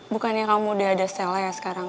bukannya kamu udah ada stella ya sekarang